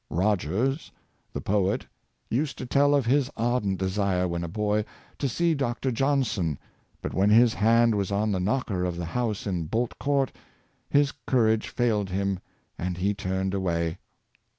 Rogers, the poet, used to tell of his ardent desire, when a boy, to see Dr. Johnson, but when his hand was on the knocker of the house in Bolt Court, his courage failed him, and he turned away.